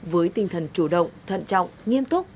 với tinh thần chủ động thận trọng nghiêm túc